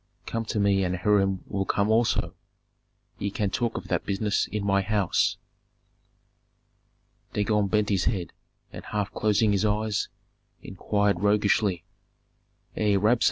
Come to me and Hiram will come also; ye can talk of that business in my house." Dagon bent his head, and half closing his eyes, inquired roguishly, "Ei, Rabsun!